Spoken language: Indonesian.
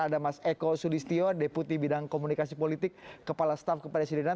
ada mas eko sulistyo deputi bidang komunikasi politik kepala staf kepresidenan